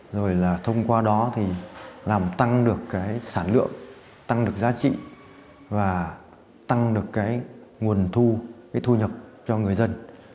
rồi là thông qua đó thì làm tăng được cái sản lượng tăng được giá trị và tăng được cái nguồn thu cái thu nhập cho người dân